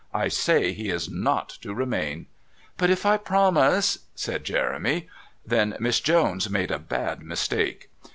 I say he is not to remain " "But if I promise " said Jeremy. Then Miss Jones made a bad mistake.